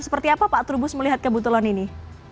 seperti apa pak trubus melihat kebetulan ini